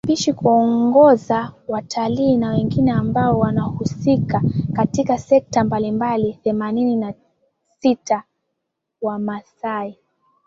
wapishi kuongoza watalii na wengine ambao wanahusika katika sekta mbalimbali Themanini na sita Wamasai